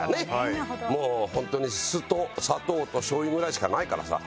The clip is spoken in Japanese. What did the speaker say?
ホントに酢と砂糖としょう油ぐらいしかないからさ。